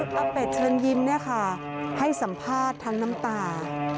อาเป็ดเชิญยิ้มเนี่ยค่ะให้สัมภาษณ์ทั้งน้ำตา